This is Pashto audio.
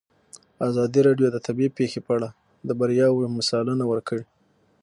ازادي راډیو د طبیعي پېښې په اړه د بریاوو مثالونه ورکړي.